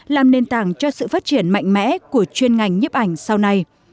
làm nền tảng cho sự phát triển mạnh mẽ của chuyên ngành nhiếp ảnh sau này